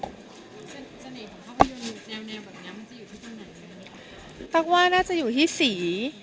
เสน่ห์ของภาพวิวแนวแบบนี้มันจะอยู่ที่ตรงไหน